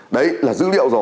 đấy là dữ liệu